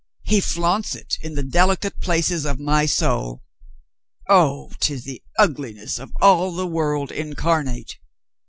He flaunts it in the delicate places of my soul. Oh, 'tis the ugliness of all the world incarnate.